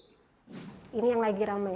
ini yang lagi ramai